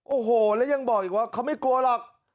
โอ้โหแล้วยังบอกอีกว่าเขาไม่กลัวหรอก